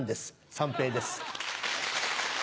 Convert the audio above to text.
三平です。